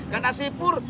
kata si pur